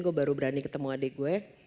gue baru berani ketemu adik gue